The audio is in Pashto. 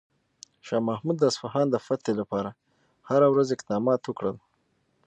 شاه محمود د اصفهان د فتح لپاره هره ورځ اقدامات وکړل.